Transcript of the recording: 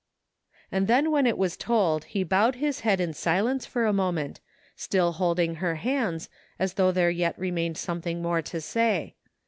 And then when it was told he bowed his head in silence for a moment, still holding her hands, as though there yet reinained something more to say.